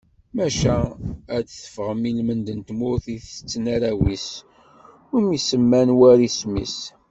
Maca ad d-tefɣen ilmend n tmurt i tetten arraw-is, umi semman war isem-is.